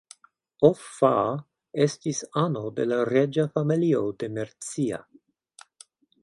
Offa estis ano de la reĝa familio de Mercia.